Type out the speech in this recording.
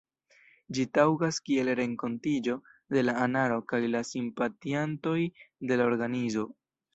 Ĝi taŭgas kiel renkontiĝo de la anaro kaj la simpatiantoj de la organizo.